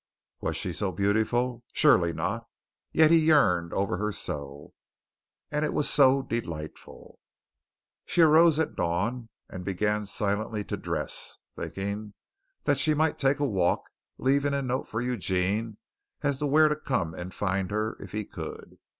Was she so beautiful? Surely not! Yet he yearned over her so. And it was so delightful. She arose at dawn and began silently to dress, thinking that she might take a walk, leaving a note for Eugene as to where to come and find her if he could.